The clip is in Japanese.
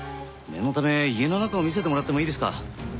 念のため家の中を見せてもらってもいいですか？